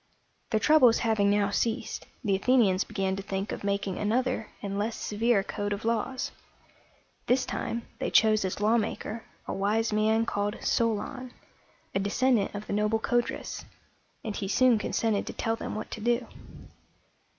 Their troubles having now ceased, the Athenians began to think of making another and less severe code of laws. This time they chose as lawmaker a wise man called So´lon, a descendant of the noble Codrus; and he soon consented to tell them what to do.